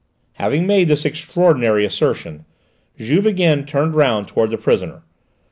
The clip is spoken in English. Having made this extraordinary assertion, Juve again turned round towards the prisoner.